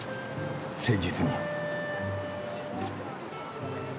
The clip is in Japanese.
誠実に。